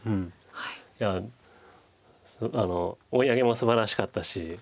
いや追い上げもすばらしかったし。